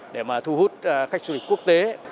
để mà thu hút khách du lịch quốc tế